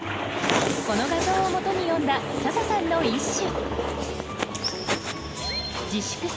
この画像をもとに詠んだ笹さんの一首